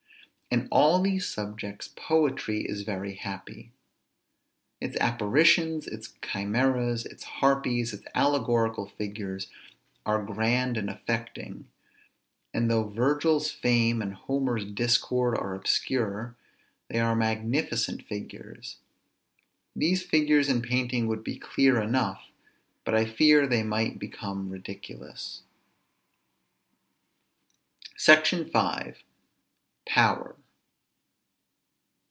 In all these subjects poetry is very happy. Its apparitions, its chimeras, its harpies, its allegorical figures, are grand and affecting; and though Virgil's Fame and Homer's Discord are obscure, they are magnificent figures. These figures in painting would be clear enough, but I fear they might become ridiculous. SECTION V. POWER.